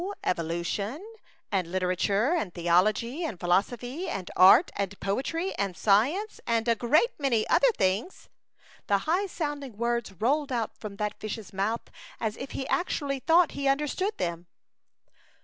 evolution and literature and theology and philosophy and art and poetry and science, and a great many other things." The high sounding words rolled out from that fish's rriouth as if he ac tually thought he understood them.